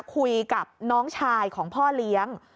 คุยกับน้องชายของพ่อเลี้ยง